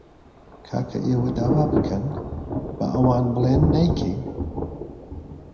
کاکە ئێوە داوا بکەن، با ئەوان بڵێن نایکەین